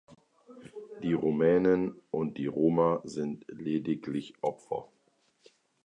Die Rumänen und die Roma sind lediglich Opfer.